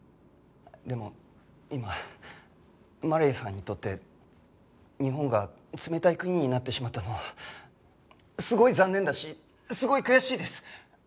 でも今マリアさんにとって日本が冷たい国になってしまったのはすごい残念だしすごい悔しいです。